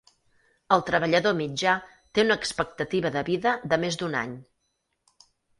El treballador mitjà té una expectativa de vida de més d'un any.